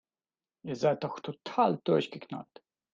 Ihr seid doch total durchgeknallt!